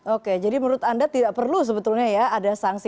oke jadi menurut anda tidak perlu sebetulnya ya ada sanksi